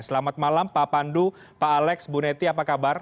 selamat malam pak pandu pak alex bu neti apa kabar